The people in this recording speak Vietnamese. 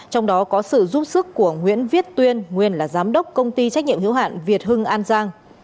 trong đó có sự giúp sức của nguyễn viết tuyên nguyên là giám đốc công ty trách nhiệm hiếu hạn việt hưng an giang